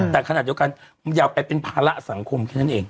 แต่ขณะเดียวกันอย่าไปเป็นภาระสังคมแค่นั้นเอง